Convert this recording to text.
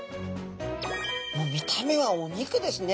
もう見た目はお肉ですね。